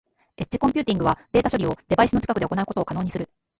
エッジコンピューティングはデータ処理をデバイスの近くで行うことを可能にする。